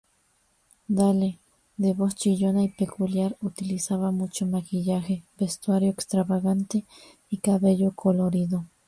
Dale, de voz chillona y peculiar utilizaba mucho maquillaje, vestuario extravagante y cabello colorido.